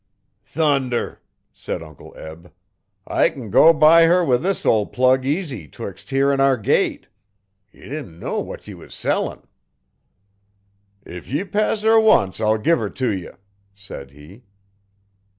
'Thunder!' said Uncle Eb, 'I can go by her with this ol' plug easy 'twixt here an' our gate. Ye didn't know what ye was sellin'.' 'If ye pass her once I'll give her to ye,' said he.